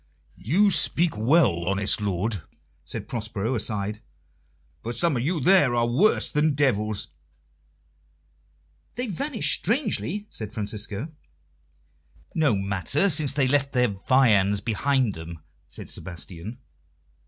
"You speak well, honest lord," said Prospero aside, "for some of you there are worse than devils." "They vanished strangely," said Francisco. "No matter, since they left their viands behind them," said Sebastian.